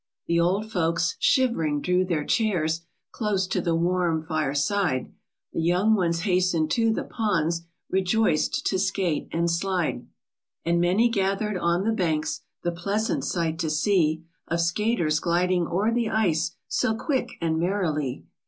The old folks, shiv'ring, drew their chairs Close to the warm fireside ; The young ones hasten'd to the ponds, Rejoiced to skate and slide. And many gather'd on the banks The pleasant sight to see, Of skaters gliding o'er the ice So quick and merrily.